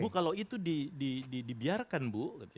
bu kalau itu dibiarkan bu